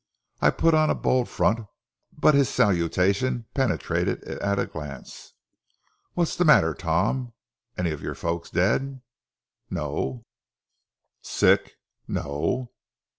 I put on a bold front, but his salutation penetrated it at a glance. "What's the matter, Tom; any of your folks dead?" "No." "Sick?" "No."